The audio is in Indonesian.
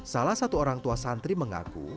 salah satu orang tua santri mengaku